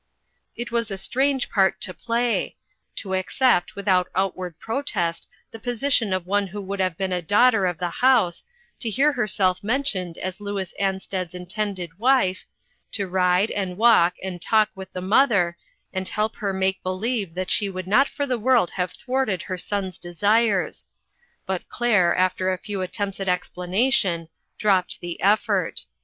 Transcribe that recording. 415 It was a strange part to play to accept without outward protest the position of one who would have been a daughter of the house , to hear herself mentioned as Louis Ansted's intended wife ; to ride, and walk, and talk with the mother, and help her make believe that she would not for the world have thwarted her son's desires ; but Claire, after a few attempts at explanation, dropped the effort.